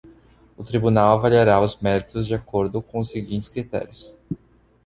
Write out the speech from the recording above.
O Tribunal avaliará os méritos de acordo com os seguintes critérios.